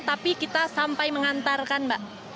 tapi kita sampai mengantarkan mbak